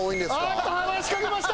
おっと話しかけました！